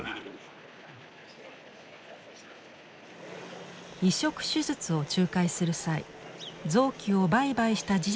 移植手術を仲介する際臓器を売買した事実はあるのか問うと。